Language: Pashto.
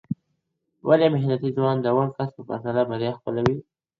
ولي محنتي ځوان د وړ کس په پرتله بریا خپلوي؟